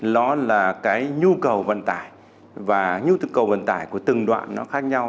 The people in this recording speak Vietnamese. nó là cái nhu cầu vận tải và nhu cầu cầu vận tải của từng đoạn nó khác nhau